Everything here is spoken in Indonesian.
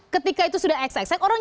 ketika itu sudah eksx orang